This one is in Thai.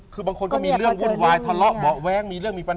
คือบางคนก็มีเรื่องวุ่นวายทะเลาะเบาะแว้ง